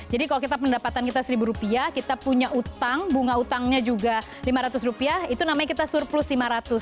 jadi kalau kita pendapatan kita rp satu kita punya utang bunga utangnya juga rp lima ratus itu namanya kita surplus rp lima ratus